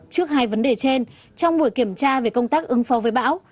trước hai vấn đề trên trong buổi kiểm tra về công tác ứng phó với bão